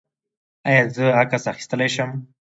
ایا زه عکس اخیستلی شم؟